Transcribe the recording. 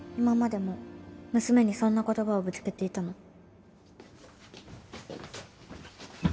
今までも娘にそんな言葉をぶつけていたの？